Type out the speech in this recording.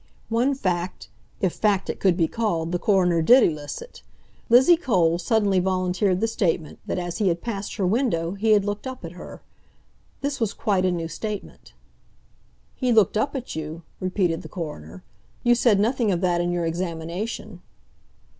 One fact—if fact it could be called—the coroner did elicit. Lizzie Cole suddenly volunteered the statement that as he had passed her window he had looked up at her. This was quite a new statement. "He looked up at you?" repeated the coroner. "You said nothing of that in your examination."